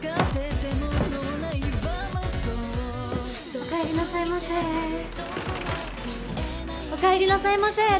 おかえりなさいませおかえりなさいませ旦那